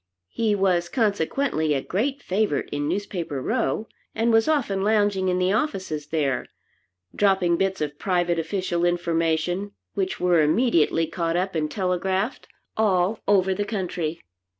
He was consequently a great favorite in Newspaper Row, and was often lounging in the offices there, dropping bits of private, official information, which were immediately, caught up and telegraphed all over the country.